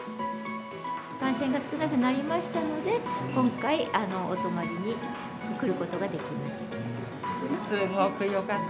感染が少なくなりましたので、今回、お泊りに来ることができました。